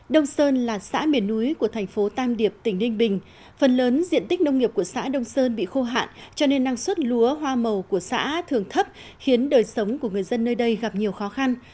đông sơn là xã miền núi của thành phố tam điệp tỉnh ninh bình phần lớn diện tích nông nghiệp của xã đông sơn bị khô hạn cho nên năng suất lúa hoa màu của xã thường thấp khiến đời sống của người dân nơi đây gặp nhiều khó khăn